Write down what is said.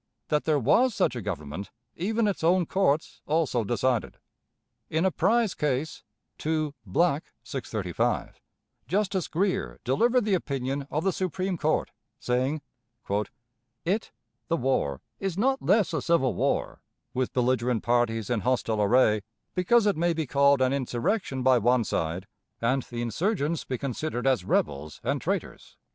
That there was such a Government even its own courts also decided. In a prize case (2 Black, 635), Justice Greer delivered the opinion of the Supreme Court, saying: "It [the war] is not less a civil war, with belligerent parties in hostile array, because it may be called an 'insurrection' by one side, and the insurgents be considered as rebels and traitors.